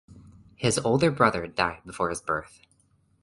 His older brother died before his birth.